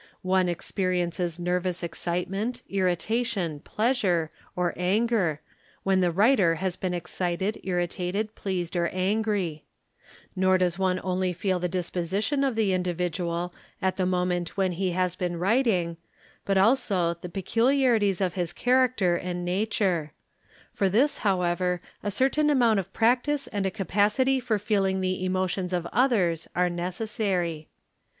One experiences nervous excitement, irritation, pleasure, or anger, when the writer has been excited, irritated, pleased, or angry; nor does one only feel the disposition of the individual at the moment when he has — been writing, but also the peculiarities of his character and nature; for | this however a certain amount of practice and a capacity for feeling : the emotions of others are necessary.